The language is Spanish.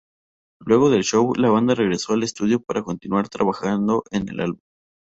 Luego del show, la banda regresó al estudio para continuar trabajando en el álbum.